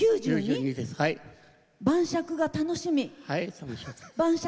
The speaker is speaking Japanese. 晩酌が楽しみ？